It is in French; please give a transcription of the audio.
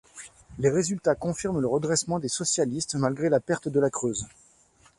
Les résultats confirment le redressement des socialistes, malgré la perte de la Creuse.